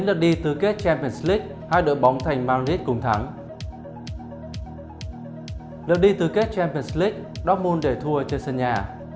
đợt đi tứ kết champions league dortmund để thua trên sân nhà